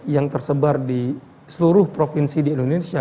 yang tersebar di seluruh provinsi di indonesia